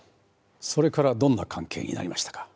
それからどんな関係になりましたか？